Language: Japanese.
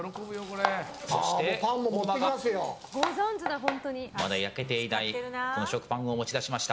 そしてまだ焼けていない食パンを持ち出しました。